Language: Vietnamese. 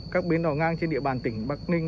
các bến đỏ ngang trên địa bàn tỉnh bắc ninh